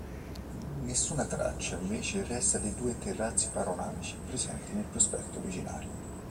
Nessuna traccia, invece, resta dei due terrazzi panoramici presenti nel prospetto originario.